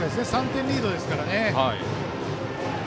３点リードですからね。